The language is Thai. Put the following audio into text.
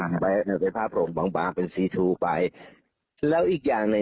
นักภาพโรงบางเป็นซีทู้ไป